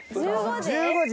１５時？